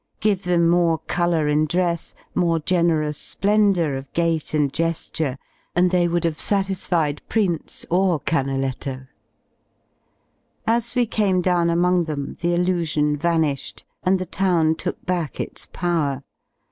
Give them more colour in dress, more generous splendour of gait and ge^ure, and they would have satisfied Prius or Cahaletto. As we came down among them the illusion vanished and the town took back its power.